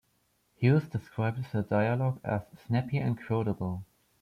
Hughes described the dialogue as "snappy and quotable".